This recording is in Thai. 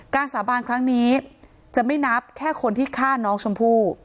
สาบานครั้งนี้จะไม่นับแค่คนที่ฆ่าน้องชมพู่